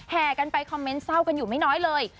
แห่กันไปคอมเมนต์เศร้ากันอยู่ไม่น้อยเลย